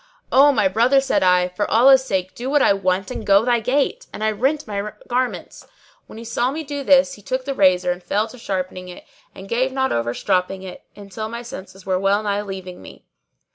"O my brother," said I, "for Allah's sake do what I want and go thy gait!" And I rent my garments.[FN#616] When he saw me do this he took the razor and fell to sharpening it and gave not over stropping it until my senses were well nigh leaving me.